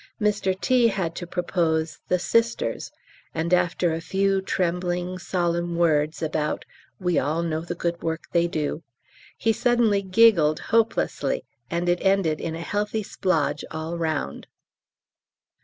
Mr T. had to propose "The Sisters," and after a few trembling, solemn words about "we all know the good work they do," he suddenly giggled hopelessly, and it ended in a healthy splodge all round.